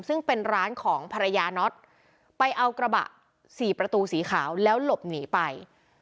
ซึ่งเป็นร้านของภรรยาน็อตไปเอากระบะสี่ประตูสีขาวแล้วหลบหนีไป